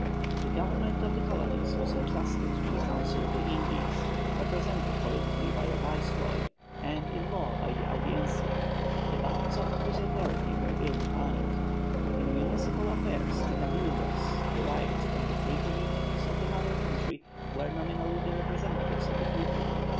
The government of the colonies was entrusted to the Council of the Indies, represented politically by a Viceroy, and in law by the Audiencia, the bounds of whose authority were ill defined. In municipal affairs, the Cabildos, derived from the free communities of the mother country, were nominally the representatives of the people.